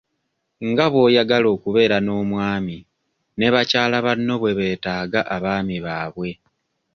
Nga bw'oyagala okubeera n'omwami ne bakyala banno bwe beetaaga abaami baabwe.